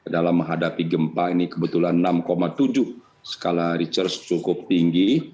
dalam menghadapi gempa ini kebetulan enam tujuh skala research cukup tinggi